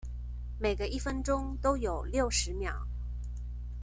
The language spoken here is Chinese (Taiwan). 每個一分鐘都有六十秒